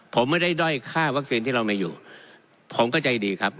ผมไม่ได้ด้อยค่าวัคซีนที่เรามีอยู่ผมก็ใจดีครับ